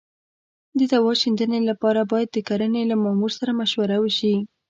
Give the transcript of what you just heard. د دوا شیندنې لپاره باید د کرنې له مامور سره مشوره وشي.